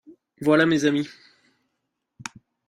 Voilà mes amis.